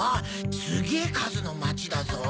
すげえ数の街だぞ。